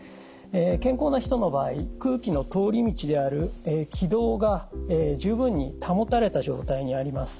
健康な人の場合空気の通り道である気道が十分に保たれた状態にあります。